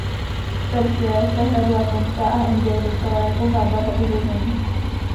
Z Persie se hra do Japonska a Indie dostala jako zábava urozených.